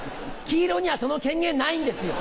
黄色には権限ないんですか？